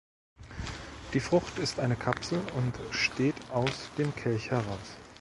Die Frucht ist eine Kapsel und steht aus dem Kelch heraus.